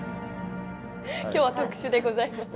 今日は特殊でございます。